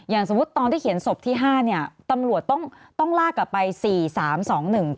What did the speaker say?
สมมุติตอนที่เขียนศพที่ห้าเนี่ยตำรวจต้องต้องลากกลับไปสี่สามสองหนึ่ง